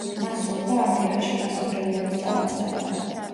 მას სურდა ამერიკაში რასობრივი ომის წამოწყება.